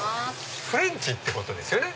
フレンチってことですよね。